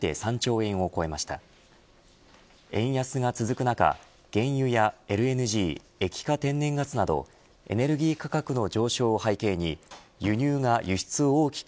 円安が続く中原油やＬＮＧ＝液化天然ガスなどエネルギー価格の上昇背景に、輸出が輸入が輸出を大きく